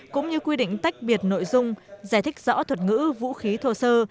cũng như quy định tách biệt nội dung giải thích rõ thuật ngữ vũ khí thô sơ